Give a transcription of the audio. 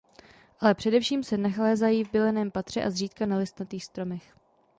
Ale především se nalézají v bylinném patře a zřídka na listnatých stromech.